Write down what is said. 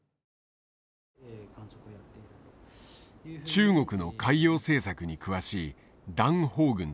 中国の海洋政策に詳しい段烽軍さん。